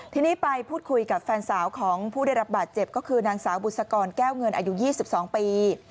ทีนี้ไปพูดคุยกับแฟนสาวของผู้ได้รับบาดเจ็บก็คือนางสาวบุษกรแก้วเงินอายุ๒๒ปี